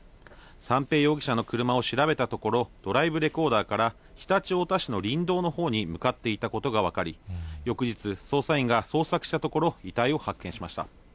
三瓶容疑者の車を調べたところ、ドライブレコーダーから常陸太田市の林道のほうに向かっていたことが分かり、翌日、捜査員が捜索したところ、遺体を発見しました。